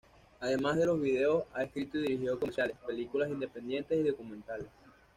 Además de los videos, ha escrito y dirigido comerciales, películas independientes y documentales.